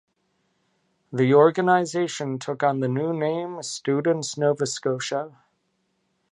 The organization took on the new name, Students Nova Scotia.